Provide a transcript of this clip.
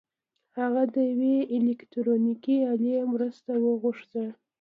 هغه د یوې الکټرونیکي الې مرسته وغوښته